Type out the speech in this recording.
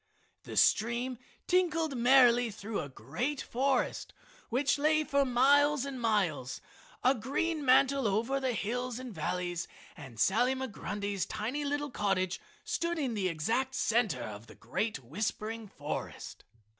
The stream tinkled merrily through a great forest which lay for miles and miles, a green mantle over the hills and valleys, and Sally Migrundy's tiny little cottage stood in the exact center of the great whispering forest.